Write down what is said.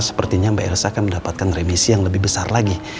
sepertinya mbak elsa akan mendapatkan remisi yang lebih besar lagi